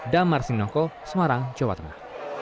damar sinoko semarang jawa tengah